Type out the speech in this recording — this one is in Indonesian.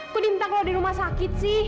kok diminta keluar dari rumah sakit sih